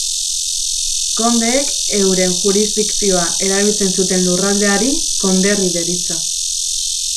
Kondeek euren jurisdikzioa erabiltzen zuten lurraldeari, konderri deritzo.